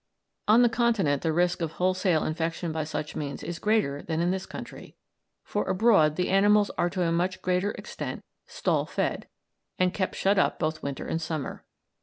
On the Continent the risk of wholesale infection by such means is greater than in this country; for abroad the animals are to a much greater extent stall fed, and kept shut up both winter and summer.